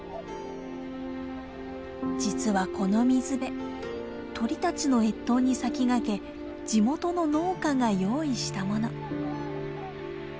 実はこの水辺鳥たちの越冬に先駆け地元の農家が用意したもの。